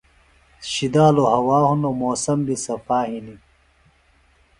شِدالُوۡ ہوا ہِنوۡ موسم بیۡ صفا ہِنیۡ۔